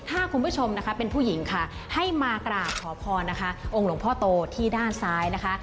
ถ้าคุณผู้ชมนะคะเป็นผู้หญิงค่ะให้มากราบขอพรนะคะองค์หลวงพ่อโตที่ด้านซ้ายนะคะ